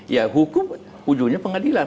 ya hukum ujungnya pengadilan